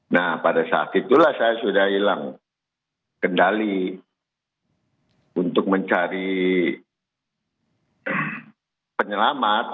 nah pada saat itulah saya sudah hilang kendali untuk mencari penyelamat